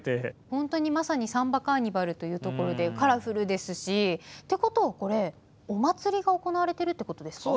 本当にまさにサンバカーニバルというところでカラフルですし。ってことはこれお祭りが行われてるってことですか？